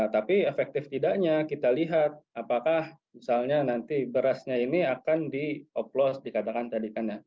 tapi efektif tidaknya kita lihat apakah misalnya nanti berasnya ini akan di oplose dikatakan tadi kan ya